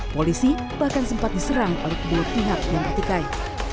polisi bahkan sempat diserang oleh dua pihak yang ketikai